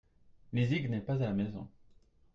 Lizig n'est pas à la maison.